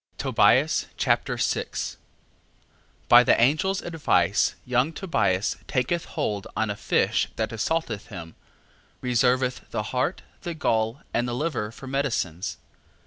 Tobias Chapter 6 By the angel's advice young Tobias taketh hold on a fish that assaulteth him. Reserveth the heart, the gall, and the liver for medicines.